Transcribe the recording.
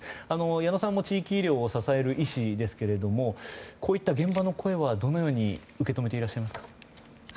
矢野さんも地域医療を支える医師ですがこういった現場の声はどのように受け止めていますか？